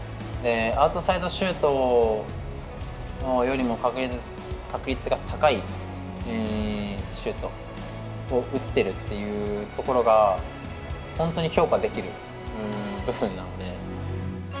アウトサイドシュートよりも確率が高いシュートを打ってるっていうところが本当に評価できる部分なので。